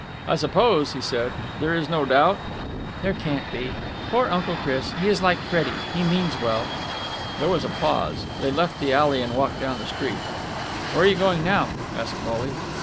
"I suppose," he said, "there is no doubt...?" "There can't be. Poor Uncle Chris! He is like Freddie. He means well!" There was a pause. They left the alley and walked down the street. "Where are you going now?" asked Wally.